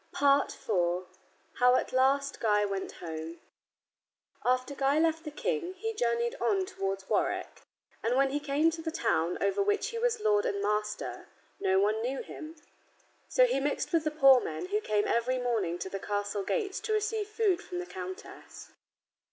IV HOW AT LAST GUY WENT HOME After Guy left the King, he journeyed on towards Warwick. And when he came to the town over which he was lord and master no one knew him. So he mixed with the poor men who came every morning to the castle gates to receive food from the countess.